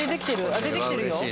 あっ出てきてるよ。